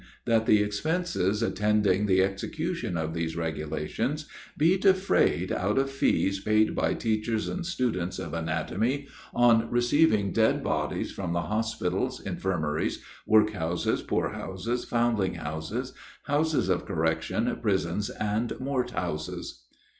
That the expenses attending the execution of these regulations, be defrayed out of fees paid by teachers and students of anatomy, on receiving dead bodies from the hospitals, infirmaries, work houses, poor houses, foundling houses, houses of correction, prisons, and mort houses.